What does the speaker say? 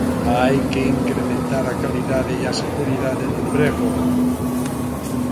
Hai que incrementar a calidade e a seguridade no emprego.